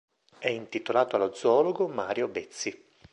È intitolato allo zoologo Mario Bezzi.